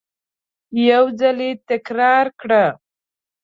یو ځل یې تکرار کړه !